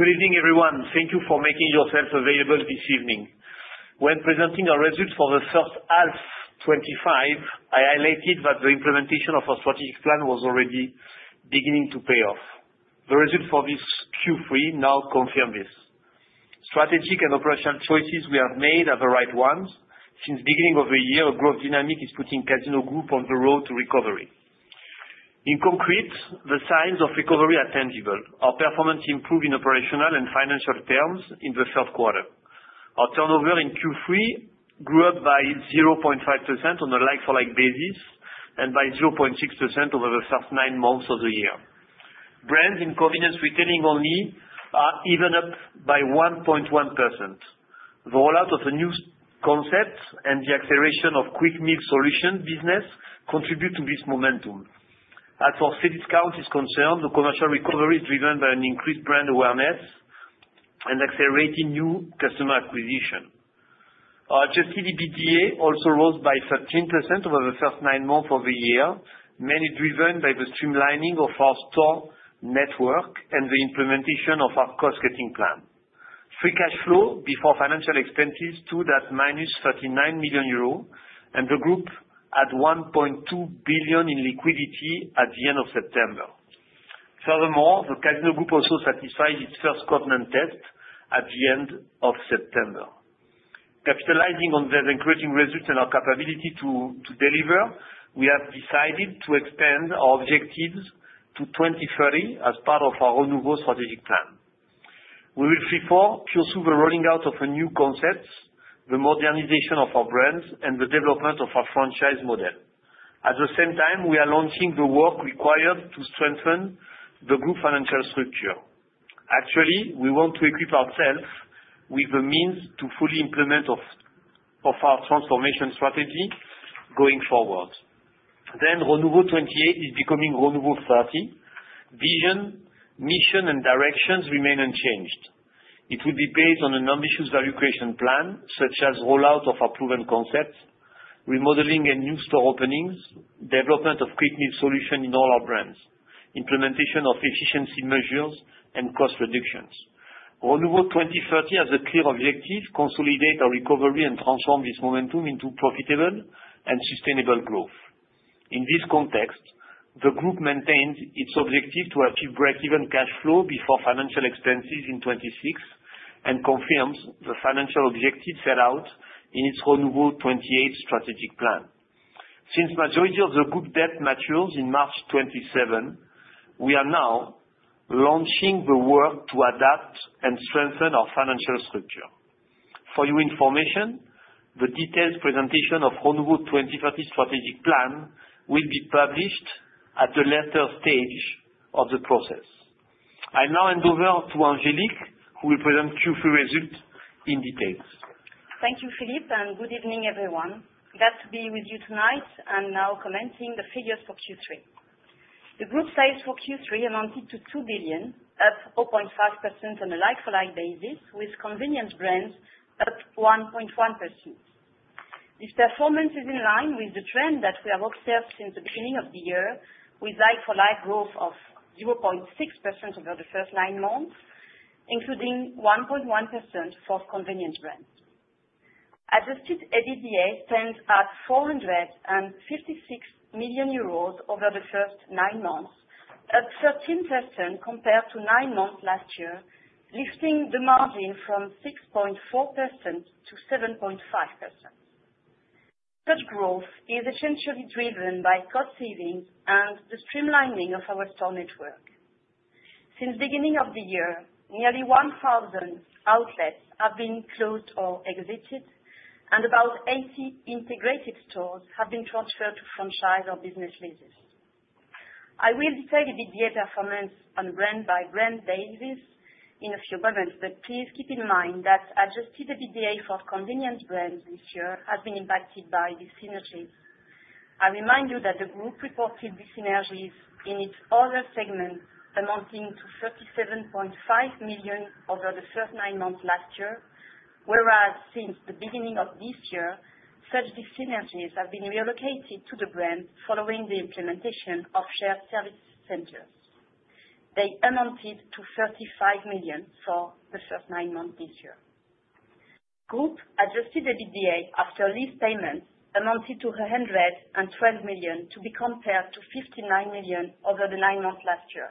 Good evening, everyone. Thank you for making yourselves available this evening. When presenting our results for the first half 2025, I highlighted that the implementation of our strategic plan was already beginning to pay off. The results for this Q3 now confirm this. Strategic and operational choices we have made are the right ones. Since the beginning of the year, a growth dynamic is putting Casino Group on the road to recovery. In concrete, the signs of recovery are tangible. Our performance improved in operational and financial terms in the third quarter. Our turnover in Q3 grew up by 0.5% on a like-for-like basis and by 0.6% over the first nine months of the year. Brands in convenience retailing only are even up by 1.1%. The rollout of a new concept and the acceleration of quick meal solution business contribute to this momentum. As for sales count is concerned, the commercial recovery is driven by an increased brand awareness and accelerating new customer acquisition. Our Adjusted EBITDA also rose by 13% over the first nine months of the year, mainly driven by the streamlining of our store network and the implementation of our cost-cutting plan. Free Cash Flow before financial expenses turned to -39 million euro and the Group had 1.2 billion in liquidity at the end of September. Furthermore, the Casino Group also satisfies its first covenant test at the end of September. Capitalizing on the encouraging results and our capability to deliver, we have decided to expand our objectives to 2030 as part of our Renewal 2030 strategic plan. We will pursue supermarket rolling out of a new concept, the modernization of our brands, and the development of our franchise model. At the same time, we are launching the work required to strengthen the Group financial structure. Actually, we want to equip ourselves with the means to fully implement our transformation strategy going forward. Then Renewal 2028 is becoming Renewal 2030. Vision, mission, and directions remain unchanged. It will be based on an ambitious value creation plan such as rollout of our proven concepts, remodeling and new store openings, development of quick meal solution in all our brands, implementation of efficiency measures, and cost reductions. Renewal 2030 has a clear objective: consolidate our recovery and transform this momentum into profitable and sustainable growth. In this context, the Group maintains its objective to achieve break-even cash flow before financial expenses in 2026 and confirms the financial objective set out in its Renewal 2028 strategic plan. Since the majority of the Group debt matures in March 2027, we are now launching the work to adapt and strengthen our financial structure. For your information, the detailed presentation of Renewal 2030 strategic plan will be published at the latter stage of the process. I now hand over to Angélique Cristofari, who will present Q3 results in detail. Thank you, Philippe Palazzi, and good evening, everyone. Glad to be with you tonight and now commenting the figures for Q3. The Group sales for Q3 amounted to 2 billion, up 0.5% on a like-for-like basis, with convenience brands up 1.1%. This performance is in line with the trend that we have observed since the beginning of the year, with like-for-like growth of 0.6% over the first nine months, including 1.1% for convenience brands. Adjusted EBITDA stands at 456 million euros over the first nine months, up 13% compared to nine months last year, lifting the margin from 6.4% to 7.5%. Such growth is essentially driven by cost savings and the streamlining of our store network. Since the beginning of the year, nearly 1,000 outlets have been closed or exited, and about 80 integrated stores have been transferred to franchise or business leases. I will detail EBITDA performance on a brand-by-brand basis in a few moments, but please keep in mind that adjusted EBITDA for convenience brands this year has been impacted by dyssynergies. I remind you that the Group reported these synergies in its other segments amounting to 37.5 million over the first nine months last year, whereas since the beginning of this year, such synergies have been relocated to the brands following the implementation of shared service centers. They amounted to 35 million for the first nine months this year. Group adjusted EBITDA after lease payments amounted to 112 million to be compared to 59 million over the nine months last year.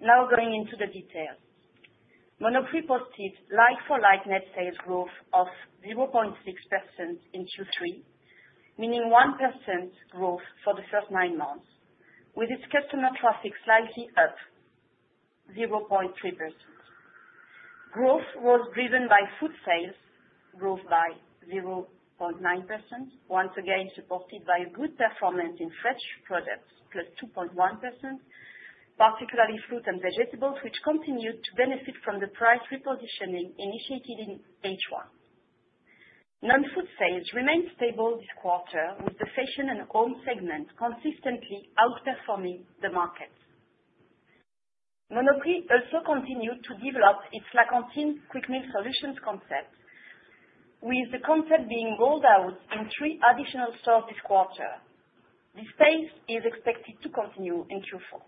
Now going into the details. Monoprix posted like-for-like net sales growth of 0.6% in Q3, meaning 1% growth for the first nine months, with its customer traffic slightly up, 0.3%. Growth was driven by food sales growth by 0.9%, once again supported by good performance in fresh products, plus 2.1%, particularly fruit and vegetables, which continued to benefit from the price repositioning initiated in H1. Non-food sales remained stable this quarter, with the fashion and home segment consistently outperforming the market. Monoprix also continued to develop its La Cantine quick meal solutions concept, with the concept being rolled out in three additional stores this quarter. This phase is expected to continue in Q4.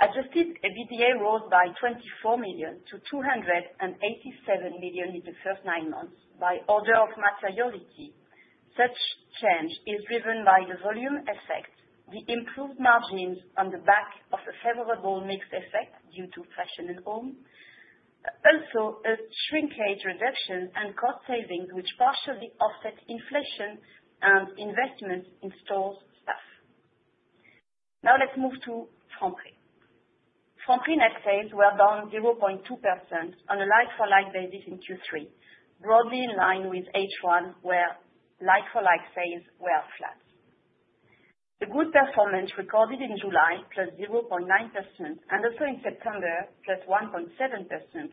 Adjusted EBITDA rose by 24 million to 287 million in the first nine months by order of materiality. Such change is driven by the volume effect, the improved margins on the back of a favorable mixed effect due to fashion and home, also a shrinkage reduction and cost savings, which partially offset inflation and investment in store staff. Now let's move to Franprix. Franprix net sales were down 0.2% on a like-for-like basis in Q3, broadly in line with H1, where like-for-like sales were flat. The good performance recorded in July, +0.9%, and also in September, +1.7%,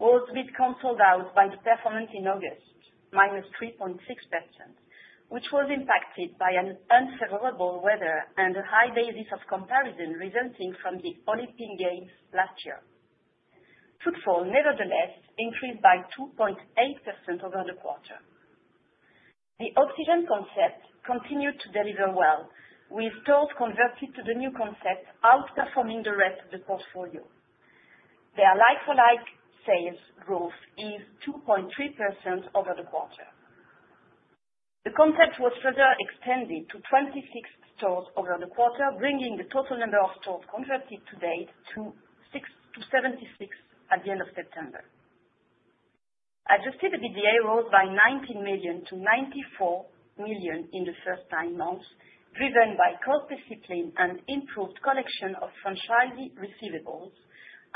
was cancelled out by the performance in August, -3.6%, which was impacted by unfavorable weather and a high basis of comparison resulting from the Olympic Games last year. Footfall, nevertheless, increased by 2.8% over the quarter. The Oxygen concept continued to deliver well, with stores converted to the new concept, outperforming the rest of the portfolio. Their like-for-like sales growth is 2.3% over the quarter. The concept was further extended to 26 stores over the quarter, bringing the total number of stores converted to date to 76 at the end of September. Adjusted EBITDA rose by 19 million to 94 million in the first nine months, driven by cost discipline and improved collection of franchisee receivables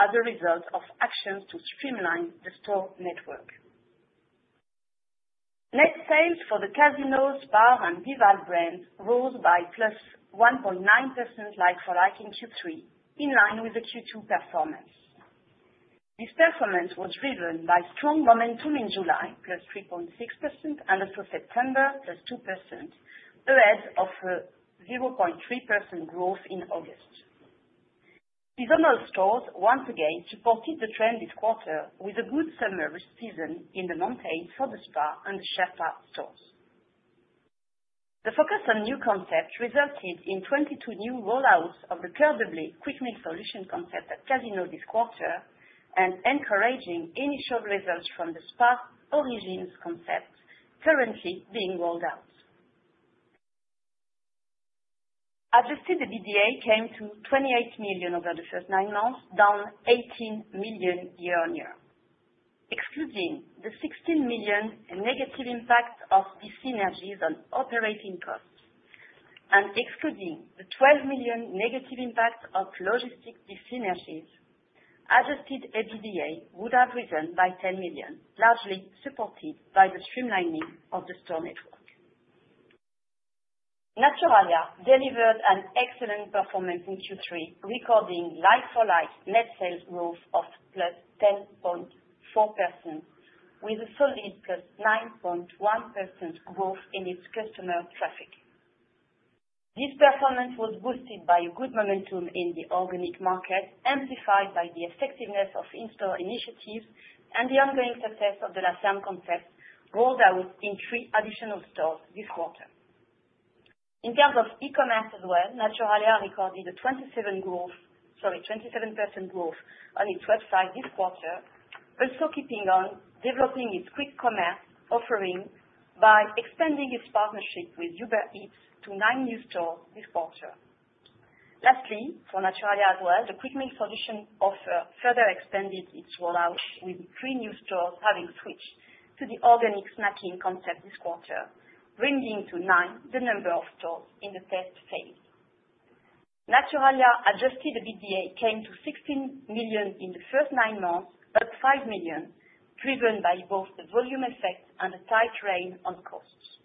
as a result of actions to streamline the store network. Net sales for the Casino, Franprix, and Vival brands rose by +1.9% like-for-like in Q3, in line with the Q2 performance. This performance was driven by strong momentum in July, plus 3.6%, and also September, plus 2%, ahead of a 0.3% growth in August. Seasonal stores, once again, supported the trend this quarter, with a good summer season in the mountains, for the Spar, and the Sherpa stores. The focus on new concepts resulted in 22 new rollouts of the Cœur de Blé quick meal solution concept at Casino this quarter and encouraging initial results from the SPAR Origins concept currently being rolled out. Adjusted EBITDA came to 28 million over the first nine months, down 18 million year on year, excluding the 16 million negative impact of these synergies on operating costs and excluding the 12 million negative impact of logistics these synergies. Adjusted EBITDA would have risen by 10 million, largely supported by the streamlining of the store network. Naturalia delivered an excellent performance in Q3, recording like-for-like net sales growth of +10.4%, with a solid +9.1% growth in its customer traffic. This performance was boosted by good momentum in the organic market, amplified by the effectiveness of in-store initiatives and the ongoing success of the La Serre concept rolled out in three additional stores this quarter. In terms of e-commerce as well, Naturalia recorded a 27% growth on its website this quarter, also keeping on developing its quick commerce offering by expanding its partnership with Uber Eats to nine new stores this quarter. Lastly, for Naturalia as well, the quick meal solution offer further expanded its rollout, with three new stores having switched to the organic snacking concept this quarter, bringing to nine the number of stores in the test phase. Naturalia Adjusted EBITDA came to 16 million in the first nine months, up €EUR 5 million, driven by both the volume effect and the tight rein on costs.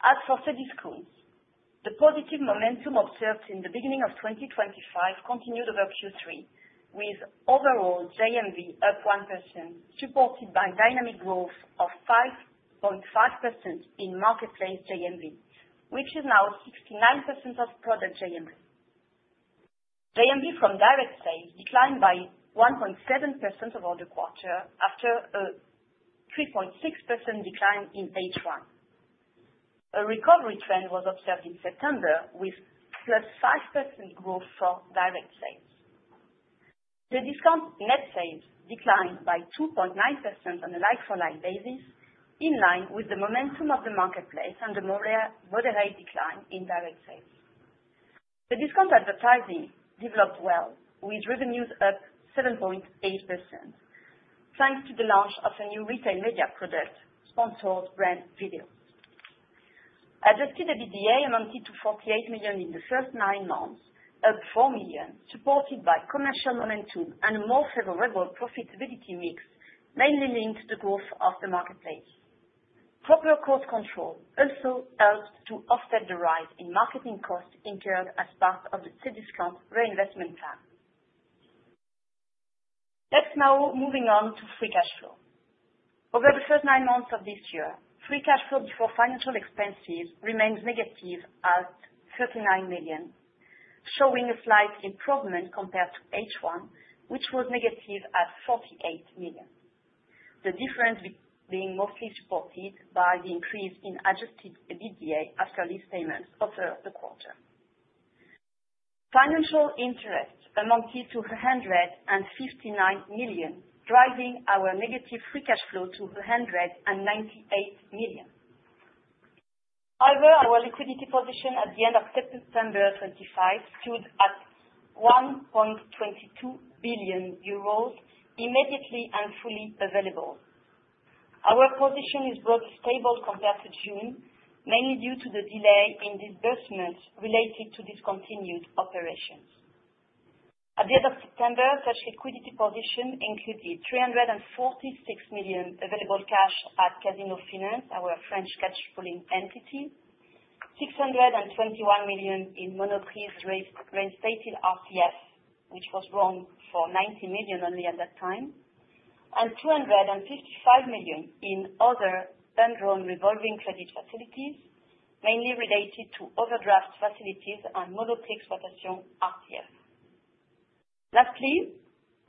As for Cdiscount, the positive momentum observed in the beginning of 2025 continued over Q3, with overall GMV up 1%, supported by dynamic growth of 5.5% in marketplace GMV, which is now 69% of product GMV. GMV from direct sales declined by 1.7% over the quarter after a 3.6% decline in H1. A recovery trend was observed in September with +5% growth for direct sales. The discount net sales declined by 2.9% on a like-for-like basis, in line with the momentum of the marketplace and the moderate decline in direct sales. The discount advertising developed well, with revenues up 7.8%, thanks to the launch of a new retail media product, Sponsored Brand Videos. Adjusted EBITDA amounted to 48 million in the first nine months, up 4 million, supported by commercial momentum and a more favorable profitability mix, mainly linked to the growth of the marketplace. Proper cost control also helped to offset the rise in marketing costs incurred as part of the discount reinvestment plan. Let's now moving on to Free Cash Flow. Over the first nine months of this year, Free Cash Flow before financial expenses remains negative at 39 million, showing a slight improvement compared to H1, which was negative at 48 million. The difference being mostly supported by the increase in Adjusted EBITDA after lease payments over the quarter. Financial interest amounted to 159 million, driving our negative Free Cash Flow to 198 million. However, our liquidity position at the end of September 2025 stood at 1.22 billion euros, immediately and fully available. Our position is broadly stable compared to June, mainly due to the delay in disbursements related to discontinued operations. At the end of September, such liquidity position included 346 million available cash at Casino Finance, our French cash pooling entity, 621 million in Monoprix's reinstated RCF, which was drawn for 90 million only at that time, and 255 million in other bank loan revolving credit facilities, mainly related to overdraft facilities and Monoprix Exploitation RCF.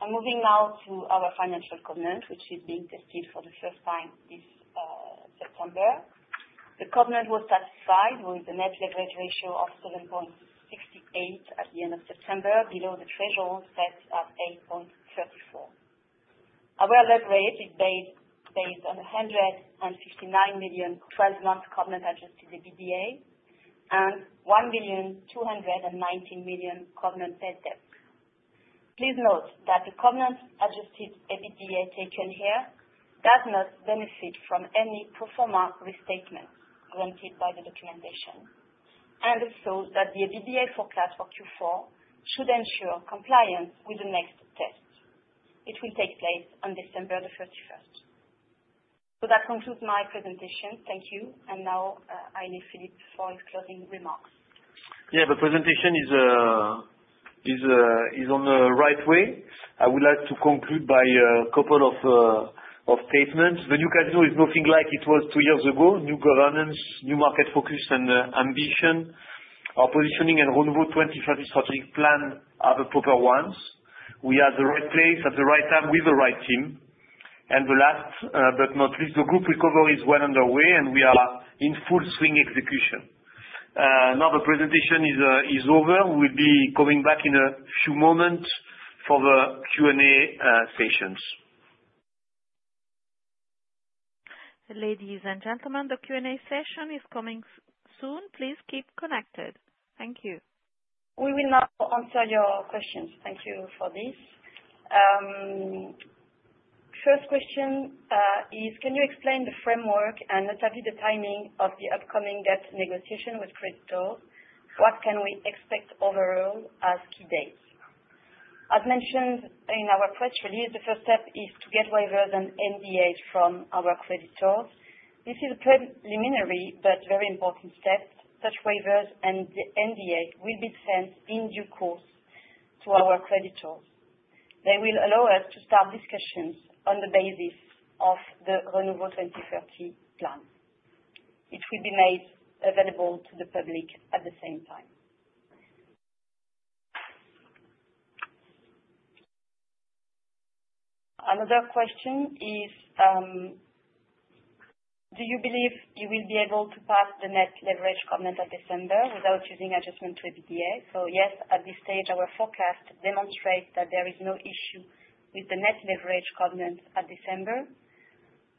Moving now to our financial covenant, which is being tested for the first time this September. The covenant was satisfied with the net leverage ratio of 7.68x at the end of September, below the threshold set at 8.34. Our leverage is based on 159 million 12-month covenant adjusted EBITDA and 1,219 million covenant net debt. Note that the covenant adjusted EBITDA taken here does not benefit from any pro forma restatement granted by the documentation. EBITDA forecast for Q4 should ensure compliance with the next test. It will take place on December the 31st. That concludes my presentation. Thank you. Now, I need Philippe Palazzi for his closing remarks. Yeah, the presentation is on the right way. I would like to conclude by a couple of statements. The new Casino is nothing like it was two years ago. New governance, new market focus, and ambition. Our positioning and Renewal 2028 strategic plan are the proper ones. We are at the right place at the right time with the right team. The last but not least, the group recovery is well underway, and we are in full swing execution. Now the presentation is over. We'll be coming back in a few moments for the Q&A sessions. Ladies and gentlemen, the Q&A session is coming soon. Please keep connected. Thank you. We will now answer your questions. Thank you for this. First question is, can you explain the framework and notably the timing of the upcoming debt negotiation with creditors? What can we expect overall as key dates? As mentioned in our press release, the first step is to get waivers and NDAs from our creditors. This is a preliminary but very important step. Such waivers and the NDA will be sent in due course to our creditors. They will allow us to start discussions on the basis of the Renewal 2030 plan. It will be made available to the public at the same time. Another question is, do you believe you will be able to pass the net leverage covenant at December without using adjustment to EBITDA? Yes, at this stage, our forecast demonstrates that there is no issue with the net leverage covenant at December.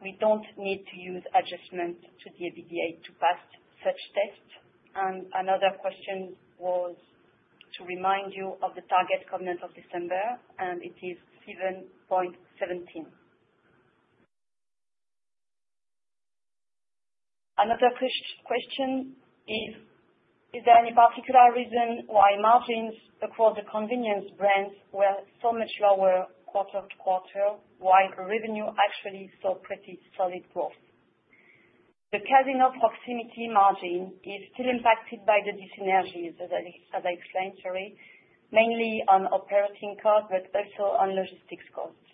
We don't need to use adjustment to the EBITDA to pass such test. Another question was to remind you of the target covenant of December, and it is 7.17. Another question is, is there any particular reason why margins across the convenience brands were so much lower quarter to quarter while revenue actually saw pretty solid growth? The Casino proximity margin is still impacted by the synergies, as I explained, Thierry, mainly on operating costs but also on logistics costs.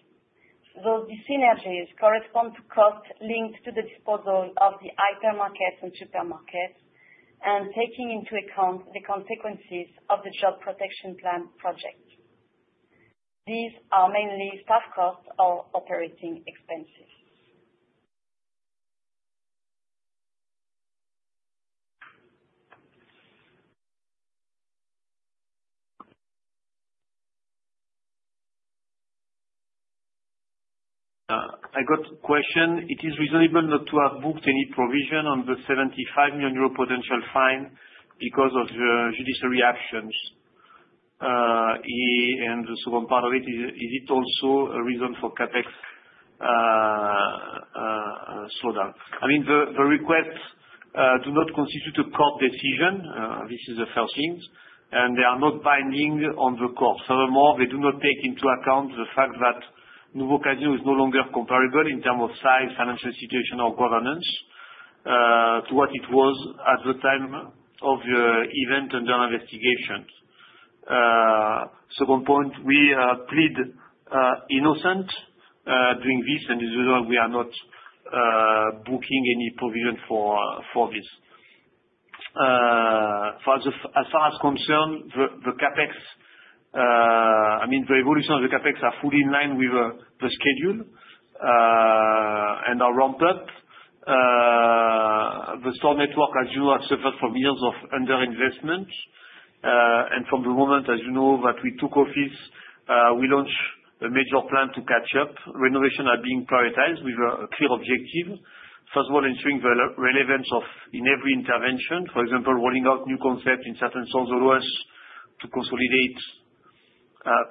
Those synergies correspond to costs linked to the disposal of the hypermarkets and supermarkets and taking into account the consequences of the Job Protection Plan project. These are mainly staff costs or operating expenses. I got a question. It is reasonable not to have booked any provision on the 75 million euro potential fine because of the judicial actions. The second part of it, is it also a reason for CapEx slowdown? I mean, the requests do not constitute a court decision. This is the first thing, and they are not binding on the court. Furthermore, they do not take into account the fact that Nouveau Casino is no longer comparable in terms of size, financial situation, or governance to what it was at the time of the event and their investigation. Second point, we plead innocent doing this, and as usual, we are not booking any provision for this. As far as concerns the CapEx, I mean, the evolution of the CapEx are fully in line with the schedule and are ramped up. The store network, as you know, has suffered from years of underinvestment, and from the moment, as you know, that we took office, we launched a major plan to catch up. Renovations are being prioritized with a clear objective, first of all, ensuring the relevance of in every intervention. For example, rolling out new concepts in certain stores or closures to consolidate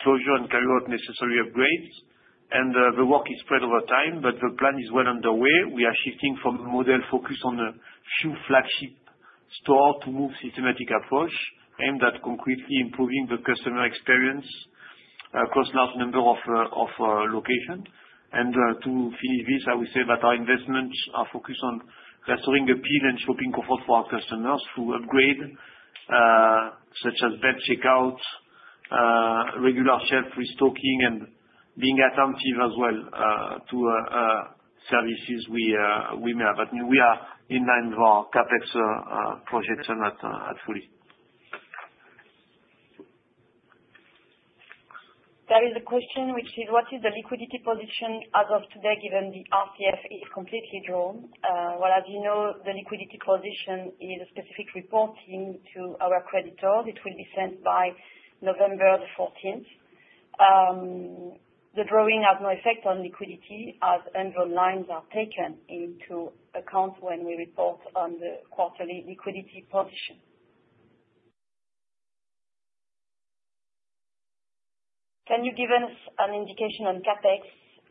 closures and carry out necessary upgrades. The work is spread over time, but the plan is well underway. We are shifting from a model focused on a few flagship stores to a more systematic approach aimed at concretely improving the customer experience across a large number of locations. To finish this, I would say that our investments are focused on restoring appeal and shopping comfort for our customers through upgrades, such as self-checkout, regular shelf restocking, and being attentive as well to services we may have. But we are in line with our CapEx plan fully. There is a question, which is, what is the liquidity position as of today given the RCF is completely drawn? Well, as you know, the liquidity position is a specific reporting to our creditors. It will be sent by November the 14th. The drawing has no effect on liquidity as end-zone lines are taken into account when we report on the quarterly liquidity position. Can you give us an indication on CapEx?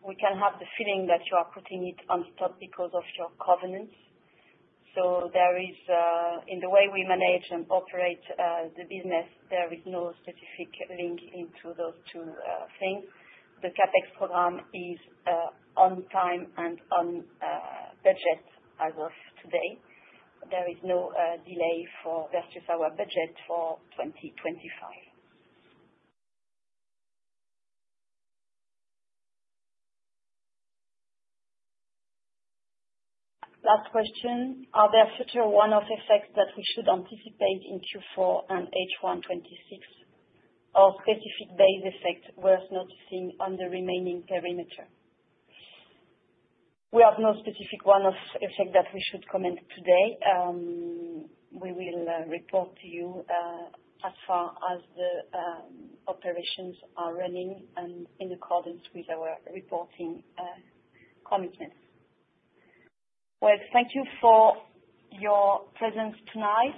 We can have the feeling that you are putting it on stop because of your covenants. There is, in the way we manage and operate the business, there is no specific link into those two things. The CapEx program is on time and on budget as of today. There is no delay for versus our budget for 2025. Last question, are there future one-off effects that we should anticipate in Q4 and H1 2026, or specific base effects worth noticing on the remaining perimeter? We have no specific one-off effect that we should comment today. We will report to you as far as the operations are running and in accordance with our reporting commitments. Well, thank you for your presence tonight.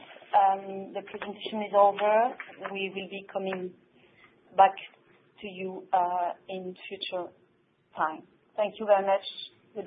The presentation is over. We will be coming back to you in future time. Thank you very much.